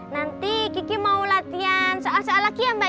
nanti kiki mau latihan soal soal lagi ya mbak